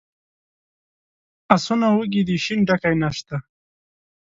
آسونه وږي دي شین ډکی نشته.